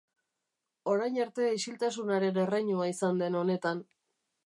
Orain arte isiltasunaren erreinua izan den honetan.